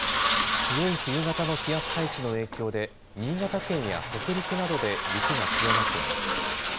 強い冬型の気圧配置の影響で新潟県や北陸などで雪が強まっています。